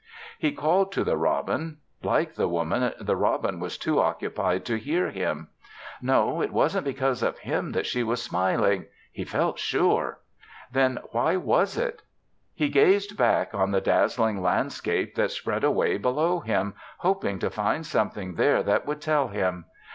He called to the robin; like the Woman, the robin was too occupied to hear him. No, it wasn't because of him that she was smiling he felt sure. Then why was it? He gazed back on the dazzling landscape that spread away below him, hoping to find something there that would tell him.